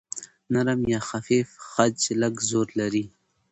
نرم یا خفیف خج لږ زور لري.